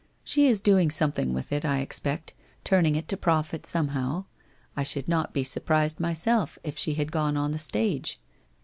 She is doing something with it, I expect, turning it to profit somehow. I should not be surprised myself if she had gone on the stage.